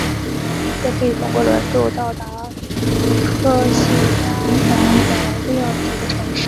也可以通过轮渡到达科西嘉岛的另外几个城市。